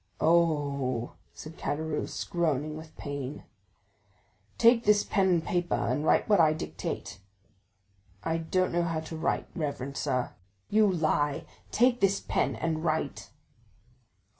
"Oh!" said Caderousse, groaning with pain. "Take this pen and paper, and write what I dictate." "I don't know how to write, reverend sir." "You lie! Take this pen, and write!"